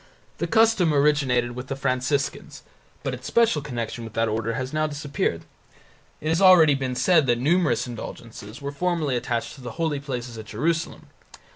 The custom originated with the Franciscans, but its special connection with that order has now disappeared. It has already been said that numerous indulgences were formerly attached to the holy places at Jerusalem.